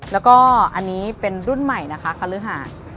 แล้วก็อันนี้เป็นรุ่นใหม่นะคะคฤหาส